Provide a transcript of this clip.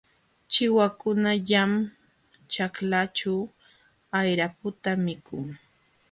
Chiwakullam ćhaklaaćhu ayraputa mikun.